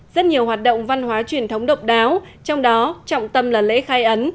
rất nhiều hoạt động văn hóa truyền thống độc đáo trong đó trọng tâm là lễ khai ấn